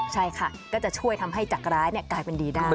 ใช่ค่ะก็จะช่วยทำให้จักรร้ายกลายเป็นดีได้